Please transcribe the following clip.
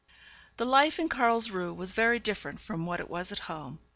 The life in Carlsruhe was very different from what it was at home.